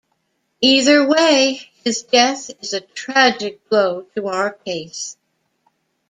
Either way, his death is a tragic blow to our case.